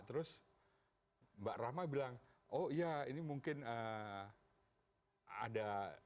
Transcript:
terus mbak rahma bilang oh iya ini mungkin ada